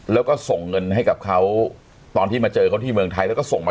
แล้วก็ส่งเงินให้กับเขาตอนที่มาเจอเขาที่เมืองไทยแล้วก็ส่งมา